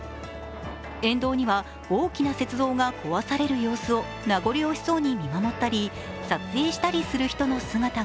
沿道には大きな雪像が壊される様子を名残惜しそうに見守ったり撮影したりする人の姿が。